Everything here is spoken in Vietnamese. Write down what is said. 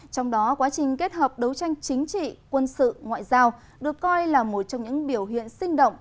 trong đó quá trình kết hợp đấu tranh chính trị quân sự ngoại giao được coi là một trong những biểu hiện sinh động